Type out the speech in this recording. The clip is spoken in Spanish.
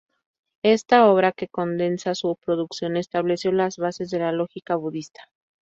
Esta obra, que condensa su producción, estableció las bases de la lógica budista..